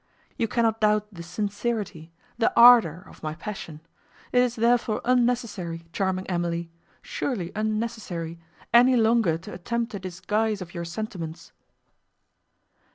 You cannot doubt the sincerity, the ardour of my passion; it is therefore unnecessary, charming Emily! surely unnecessary, any longer to attempt a disguise of your sentiments."